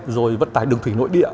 rồi vận tải đường thủy nội địa